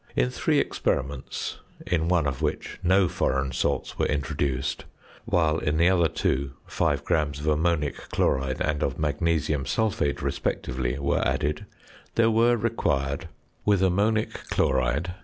In three experiments, in one of which no foreign salts were introduced, while in the other two 5 grams of ammonic chloride and of magnesium sulphate respectively were added, there were required: With ammonic chloride 18.